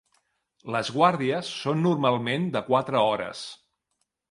Les guàrdies són normalment de quatre hores.